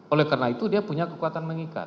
oleh karena itu dia punya kekuatan mengikat